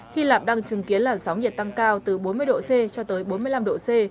hy lạp đang chứng kiến là sóng nhiệt tăng cao từ bốn mươi độ c cho tới bốn mươi năm độ c